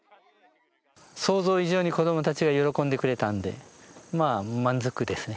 想像以上に子どもたちが喜んでくれたのでまあ満足ですね。